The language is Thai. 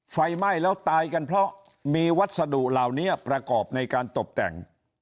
ไฟไหม้แล้วตายกันเพราะมีวัสดุเหล่านี้ประกอบในการตบแต่ง